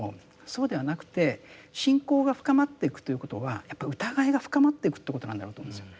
そうではなくて信仰が深まってくということはやっぱ疑いが深まってくってことなんだろうと思うんですよ。